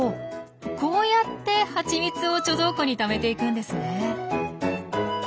こうやってハチミツを貯蔵庫にためていくんですねえ。